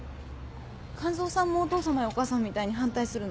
完三さんもお父さまやお母さまみたいに反対するの？